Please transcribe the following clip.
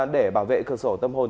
để bảo vệ cơ sổ tâm hồn